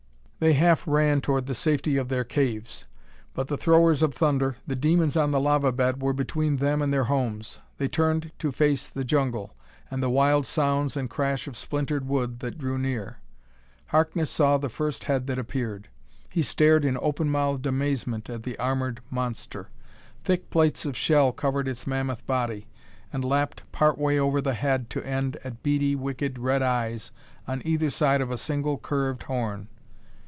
They half ran toward the safety of their caves, but the throwers of thunder, the demons on the lava bed, were between them and their homes. They turned to face the jungle, and the wild sounds and crash of splintered wood that drew near. Harkness saw the first head that appeared. He stared in open mouthed amazement at the armored monster. Thick plates of shell covered its mammoth body and lapped part way over the head to end at beady, wicked, red eyes on either side of a single curved horn.